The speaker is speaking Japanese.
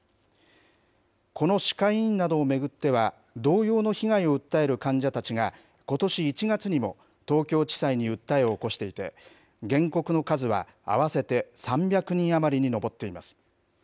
この歯科医院などを巡っては、同様の被害を訴える患者たちが、ことし１月にも東京地裁に訴えを起こしていて、原告の数は合わせて３００人余りに上っています。